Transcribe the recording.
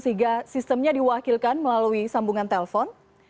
sehingga sistemnya diwakilkan melalui sambungan telpon